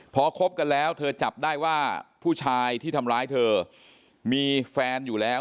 พอคบกันแล้วเธอจับได้ว่าผู้ชายที่ทำร้ายเธอมีแฟนอยู่แล้ว